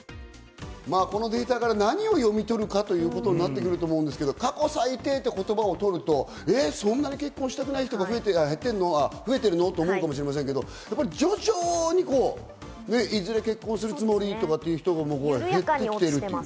このデータから何を読み取るかということになってくると思うんですが、過去最低という言葉を取ると、そんなに結婚したくない人は増えてるの？って思うかもしれませんけど、これ徐々にいずれ結婚するつもりという人も減ってきている。